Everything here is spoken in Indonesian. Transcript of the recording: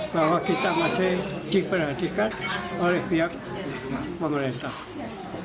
bahwa kita masih diperhatikan oleh pihak pemerintah